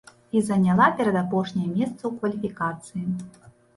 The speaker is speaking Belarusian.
І заняла перадапошняе месца ў кваліфікацыі.